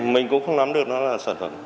mình cũng không nắm được nó là sản phẩm